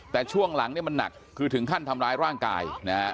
แต่ช่วงหลังเนี่ยมันหนักคือถึงขั้นทำร้ายร่างกายนะฮะ